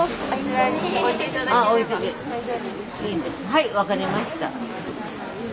はい分かりました。